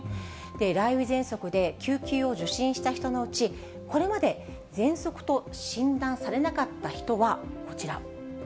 雷雨ぜんそくで救急を受診した人のうち、これまでぜんそくと診断されなかった人は、こちら。